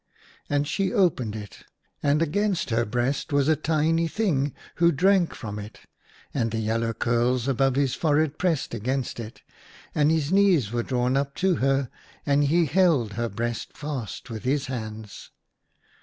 And she opened it. And against her breast was a tiny thing, who drank from it, and the yellow curls above his forehead pressed against it ; and his knees were drawn up to her, and he held her breast fast with his hands.